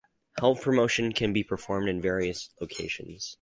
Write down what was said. Health promotion can be performed in various locations.